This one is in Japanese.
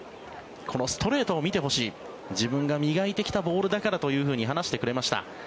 このストレートを見てほしい自分が磨いてきたボールだからと話してくれました。